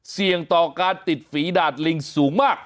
เสี่ยงต่อการติดฝีดาดลิงสูงมาก